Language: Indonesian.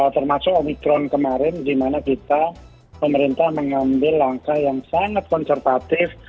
termasuk omikron kemarin di mana kita pemerintah mengambil langkah yang sangat konservatif